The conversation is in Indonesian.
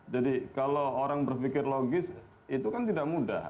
jadi kalau orang berpikir logis itu kan tidak mudah